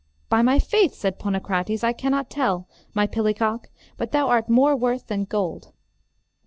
By my faith, said Ponocrates, I cannot tell, my pillicock, but thou art more worth than gold.